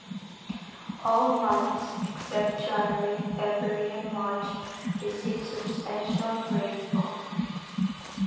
All months except January, February and March receive substantial rainfall.